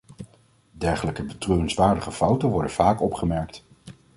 Dergelijke betreurenswaardige fouten worden vaak opgemerkt.